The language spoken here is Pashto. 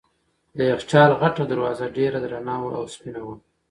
د یخچال غټه دروازه ډېره درنه او سپینه وه.